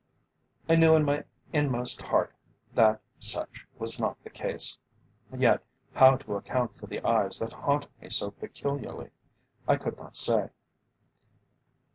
I knew in my inmost heart that such was not the case. Yet how to account for the eyes that haunted me so peculiarly, I could not say.